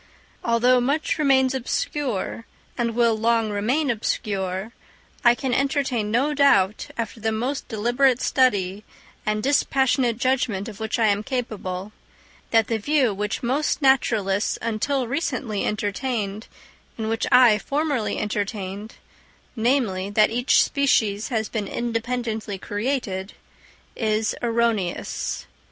Although much remains obscure, and will long remain obscure, I can entertain no doubt, after the most deliberate study and dispassionate judgment of which I am capable, that the view which most naturalists until recently entertained, and which I formerly entertained—namely, that each species has been independently created—is erroneous.